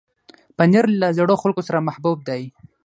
پنېر له زړو خلکو سره محبوب دی.